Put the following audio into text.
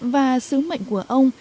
và sứ mệnh của ông